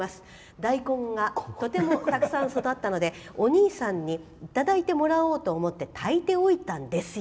「大根がとてもたくさん育ったのでお兄さんにいただいてもらおうと思って炊いておいたんですよ。